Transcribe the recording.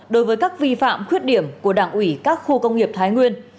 đối với các vi phạm khuyết điểm của đảng ủy các khu công nghiệp thái nguyên